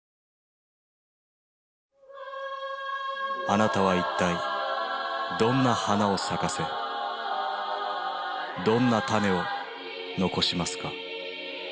あなたは一体どんな花を咲かせどんな種を残しますか？